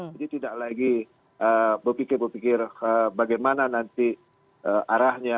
tidak lagi berpikir berpikir bagaimana nanti arahnya